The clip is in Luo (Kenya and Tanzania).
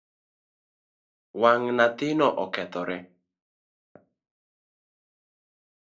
Wang nyathino okethore .